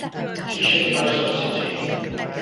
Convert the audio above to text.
Ti eisiau i fi roi sws i ti?